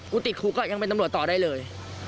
ติดคุกก็ยังเป็นตำรวจต่อได้เลย